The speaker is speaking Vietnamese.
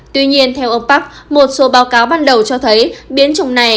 tuy nhiên theo ông park một số báo cáo ban đầu cho thấy biến chủng này